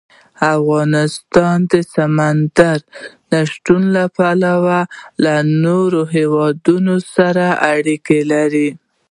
افغانستان د سمندر نه شتون له پلوه له نورو هېوادونو سره اړیکې لري.